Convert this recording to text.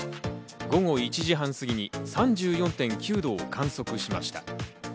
午後１時半過ぎに３４．９度を観測しました。